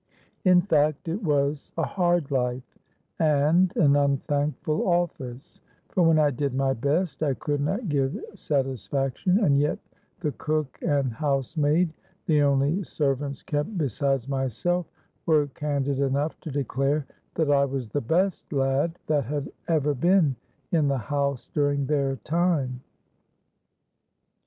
In fact, it was a hard life, and an unthankful office; for when I did my best, I could not give satisfaction; and yet the cook and housemaid—the only servants kept besides myself—were candid enough to declare that I was the best lad that had ever been in the house during their time.